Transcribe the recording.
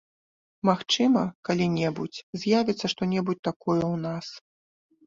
Магчыма, калі-небудзь з'явіцца што-небудзь такое ў нас.